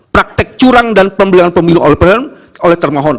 praktek curang dan pembelian pemilu oleh termohon